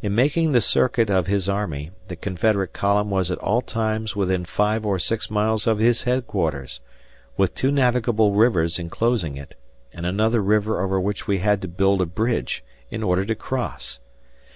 In making the circuit of his army, the Confederate column was at all times within five or six miles of his headquarters, with two navigable rivers enclosing it, and another river over which we had to build a bridge in order to cross.